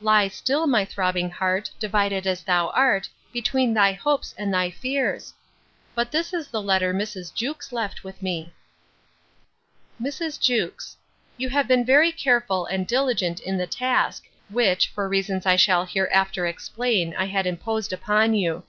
—Lie still, my throbbing heart, divided as thou art, between thy hopes and thy fears!—But this is the letter Mrs. Jewkes left with me: 'MRS. JEWKES, 'You have been very careful and diligent in the task, which, for reasons I shall hereafter explain, I had imposed upon you.